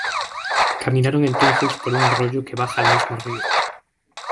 Caminaron entonces por un arroyo que baja al mismo río.